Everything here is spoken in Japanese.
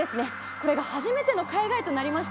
これが初めての海外となりました。